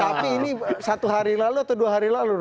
tapi ini satu hari lalu atau dua hari lalu